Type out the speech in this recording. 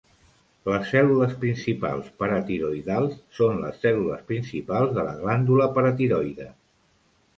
Les cèl·lules principals paratiroïdals són les cèl·lules principals de la glàndula paratiroide.